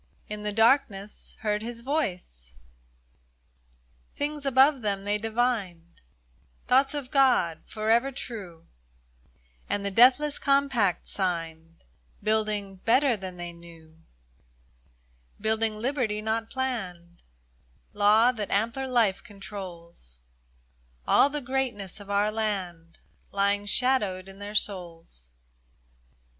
In the darkness heard His voice. Things above them they divined — Thoughts of God, forever true, 30 PILGRIM SONG And the deathless Compact signed — Building better than they knew : Building liberty not planned, Law that ampler life controls, All the greatness of our land Lying shadowed in their souls.